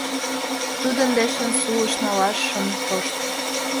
Тудын дечын сулыш налаш шым тошт!